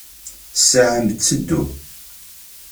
Ssaɛa-m tteddu.